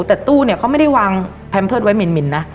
แต่ตู้เนี่ยเขาไม่ได้วางแพมเพิร์ตไว้หมินนะ